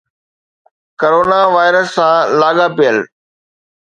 corona virus سان لاڳاپيل